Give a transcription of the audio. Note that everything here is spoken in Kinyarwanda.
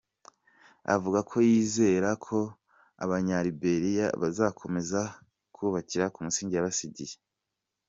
Avuga ko yizera ko Abanya-Liberia bazakomeza kubakira ku musingi yabasigiye.